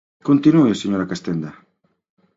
Continúe, señora Castenda.